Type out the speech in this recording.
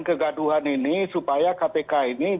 kegaduhan ini supaya kpk ini